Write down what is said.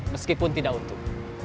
meskipun tidak untuk